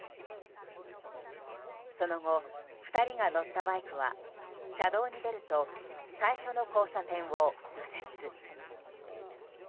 その後、２人が乗ったバイクは車道に出ると最初の交差点を右折。